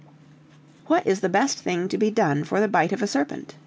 "What is the best thing to be done for the bite of a serpent?"